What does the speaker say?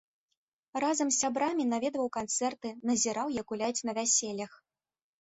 Разам з сябрамі наведваў канцэрты, назіраў як гуляюць на вяселлях.